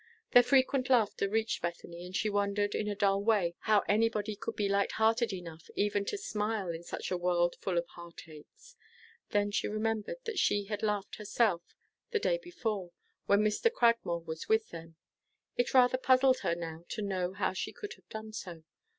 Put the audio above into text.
Their frequent laughter reached Bethany, and she wondered, in a dull way, how anybody could be light hearted enough even to smile in such a world full of heart aches. Then she remembered that she had laughed herself, the day before, when Mr. Cragmore was with them. It rather puzzled her now to know how she could have done so.